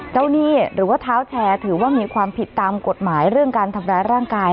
หนี้หรือว่าเท้าแชร์ถือว่ามีความผิดตามกฎหมายเรื่องการทำร้ายร่างกาย